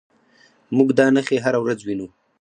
موږ دا نښې هره ورځ وینو.